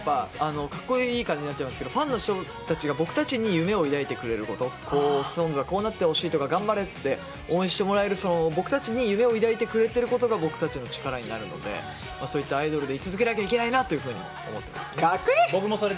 カッコイイ感じになっちゃいますがファンの人たちが僕たちに夢を抱いてくれることＳｉｘＴＯＮＥＳがこうなってほしいとか頑張れって応援してもらえる僕たちに夢を抱いてくれていることが僕たちの力になるのでそういったアイドルでい続けなければいけないなと思っています。